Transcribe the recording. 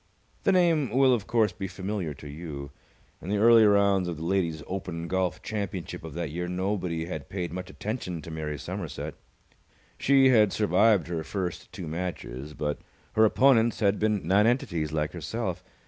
The name will, of course, be familiar to you. In the early rounds of the Ladies' Open Golf Championship of that year nobody had paid much attention to Mary Somerset. She had survived her first two matches, but her opponents had been nonentities like herself.